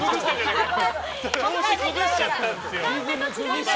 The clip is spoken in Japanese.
調子崩しちゃったんですよ。